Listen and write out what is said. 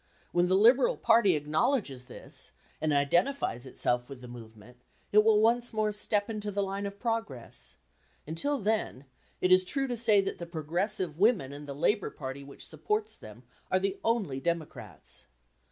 When the Liberal party acknowledges this and identifies itself with the movement, it will once more step into the line of progress; until then it is true to say that the progressive women and the Labour party which supports them are the only democrats.